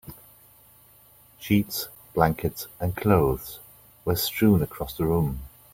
Sheets, blankets, and clothes were strewn across the room.